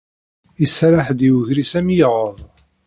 Iserreḥ-d i ugris am yiɣed.